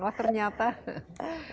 wah ternyata tidak sesuai